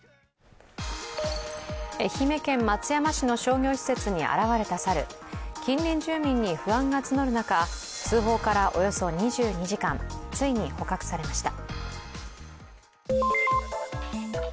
愛媛県松山市の商業施設に現れた猿近隣住民に不安が募る中通報からおよそ２２時間ついに捕獲されました。